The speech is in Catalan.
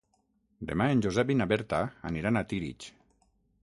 Demà en Josep i na Berta aniran a Tírig.